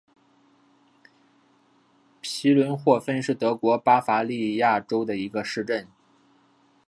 皮伦霍芬是德国巴伐利亚州的一个市镇。